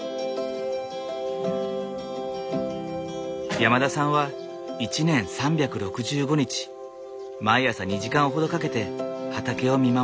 山田さんは１年３６５日毎朝２時間程かけて畑を見回る。